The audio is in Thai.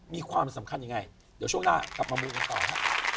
มีความสำคัญยังไงเดี๋ยวช่วงหน้ากลับมามูกันต่อฮะ